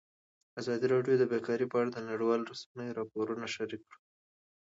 ازادي راډیو د بیکاري په اړه د نړیوالو رسنیو راپورونه شریک کړي.